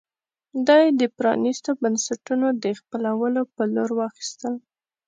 دا یې د پرانېستو بنسټونو د خپلولو په لور واخیستل.